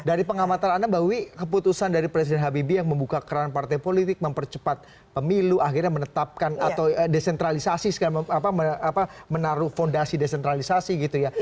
dari pengamatan anda mbak wiwi keputusan dari presiden habibie yang membuka keran partai politik mempercepat pemilu akhirnya menetapkan atau desentralisasi menaruh fondasi desentralisasi gitu ya